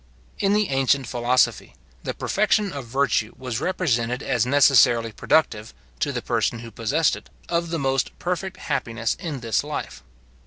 In the ancient philosophy, the perfection of virtue was represented as necessarily productive, to the person who possessed it, of the most perfect happiness in this life.